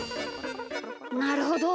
なるほど。